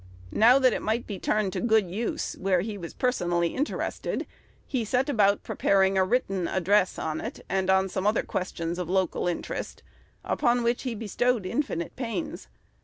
Now that it might be turned to good use, where he was personally interested, he set about preparing a written address on it, and on some other questions of local interest, upon which he bestowed infinite pains.